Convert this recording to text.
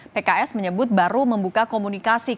pks menyebut baru membuka komunikasi